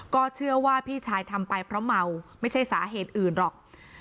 ก็เชื่อว่าพี่ชายทำไปเพราะเมาไม่ใช่สาเหตุอื่นหรอก